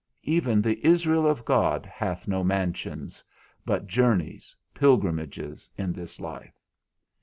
Even the Israel of God hath no mansions, but journeys, pilgrimages in this life.